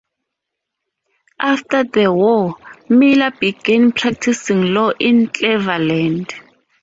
After the war, Miller began practing law in Cleveland.